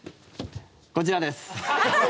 こちらです。